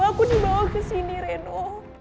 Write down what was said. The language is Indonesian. aku dibawa kesini reno